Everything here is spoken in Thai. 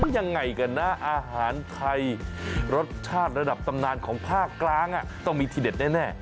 ยังไงกันนะอาหารไทยรสชาติระดับตำนานของภาคกลางต้องมีที่เด็ดแน่